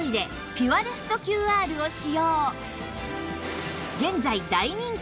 ピュアレスト ＱＲ を使用！